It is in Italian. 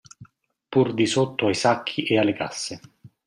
Pur di sotto ai sacchi e alle casse.